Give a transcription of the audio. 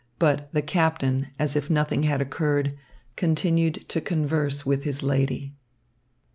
But the captain, as if nothing had occurred, continued to converse with his lady.